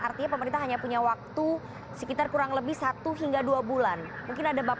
artinya pemerintah hanya punya waktu sekitar kurang lebih satu hingga dua bulan